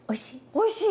おいしい！